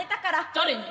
誰に？